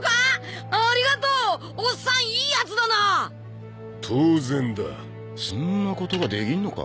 ありがとうオッサンいいヤツだな当然だそんなことができんのか？